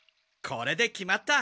これで決まった。